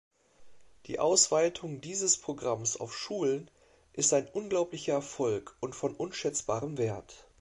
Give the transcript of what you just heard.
Die Ausweitung dieses Programms auf Schulen ist ein unglaublicher Erfolg und von unschätzbarem Wert.